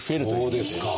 ああそうですか。